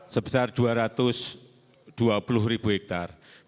sebesar dua ratus dua puluh ribu hektare